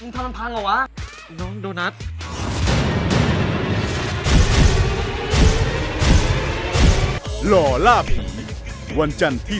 ถ้ามึงไม่ได้เอาไปแล้วใครเอาไป